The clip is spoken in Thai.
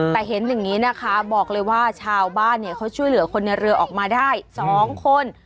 แต่เห็นอย่างนี้นะคะบอกเลยว่าชาวบ้านเนี่ยเขาช่วยเหลือคนในเรือออกมาได้๒คน